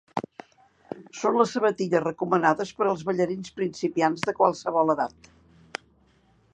Són les sabatilles recomanades per als ballarins principiants de qualsevol edat.